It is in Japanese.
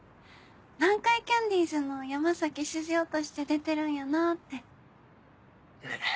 南海キャンディーズの山崎静代として出てるんやなぁって。ね。